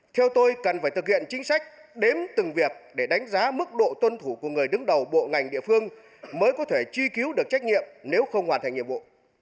theo tôi cần phải thực hiện chính sách đếm từng việc để đánh giá mức độ tuân thủ của người đứng đầu bộ ngành địa phương mới có thể chi cứu được trách nhiệm nếu không hoàn thành nhiệm vụ